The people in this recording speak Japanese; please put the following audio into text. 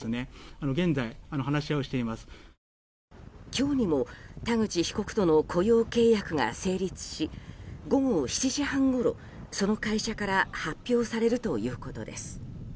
今日にも田口被告との雇用契約が成立し午後７時半ごろ、その会社から発表されるということです。